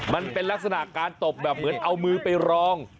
มันเป็นลักษณะการตบแบบเหมือนเอามือไปรอง